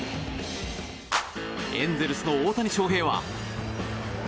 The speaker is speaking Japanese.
エンゼルスの大谷翔平は。